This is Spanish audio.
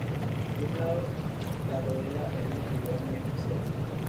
Por un lado, la rodela es una figura muy especial.